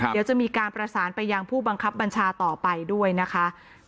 เดี๋ยวจะมีการประสานไปยังผู้บังคับบัญชาต่อไปด้วยนะคะ